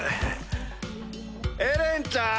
エレンちゃん！